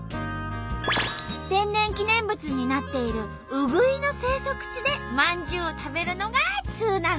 天然記念物になっているうぐいの生息地でまんじゅうを食べるのが通なんだって。